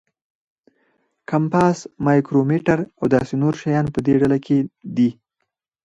کمپاس، مایکرومیټر او داسې نور شیان په دې ډله کې دي.